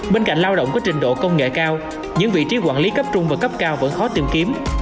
bên cạnh lao động có trình độ công nghệ cao những vị trí quản lý cấp trung và cấp cao vẫn khó tìm kiếm